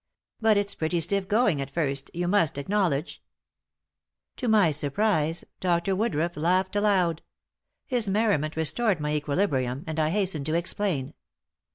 But it's pretty stiff going at first, you must acknowledge." To my surprise, Dr. Woodruff laughed aloud. His merriment restored my equilibrium, and I hastened to explain.